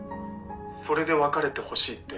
それで別れて欲しいって？